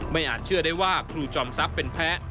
อาจเชื่อได้ว่าครูจอมทรัพย์เป็นแพ้